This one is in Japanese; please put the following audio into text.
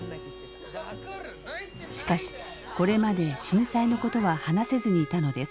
しかしこれまで震災のことは話せずにいたのです。